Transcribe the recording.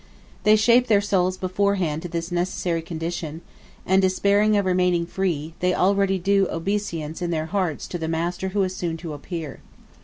They shape their souls beforehand to this necessary condition; and, despairing of remaining free, they already do obeisance in their hearts to the master who is soon to appear.